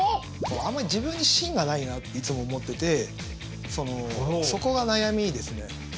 あんまり自分に芯がないなっていつも思っててそこが悩みですね。